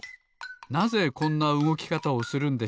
なぜこんなうごきかたをするんでしょうか？